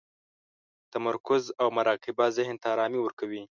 تمرکز او مراقبه ذهن ته ارامي ورکوي.